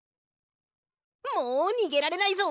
もうにげられないぞ！